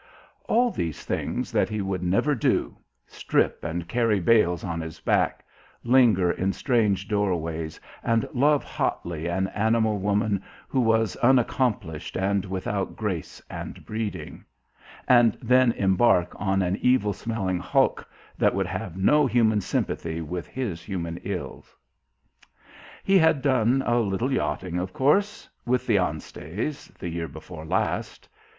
All these things that he would never do: strip and carry bales on his back; linger in strange doorways and love hotly an animal woman who was unaccomplished and without grace and breeding; and then embark on an evil smelling hulk that would have no human sympathy with his human ills. He had done a little yachting, of course; with the Ansteys the year before last.